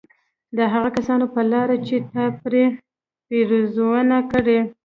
د هغو كسانو په لار چي تا پرې پېرزوينه كړې